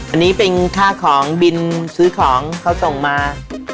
อันนี้เป็นค่าของบินซื้อของเขาส่งมา